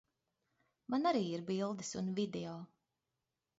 Man arī ir bildes un video.